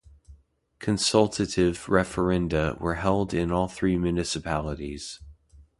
Consultative referanda were held in all three municipalities.